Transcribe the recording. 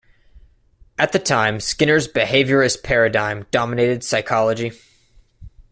At the time, Skinner's behaviorist paradigm dominated psychology.